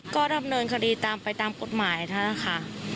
ก็ดำเนินคดีไปตามกฎหมายนะคะ